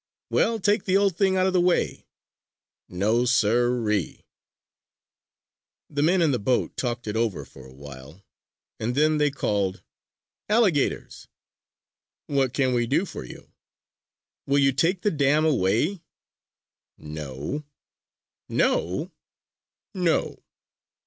"Well, take the old thing out of the way!" "Nosireesir!" The men in the boat talked it over for a while and then they called: "Alligators!" "What can we do for you?" "Will you take the dam away?" "No!" "No?" "No!"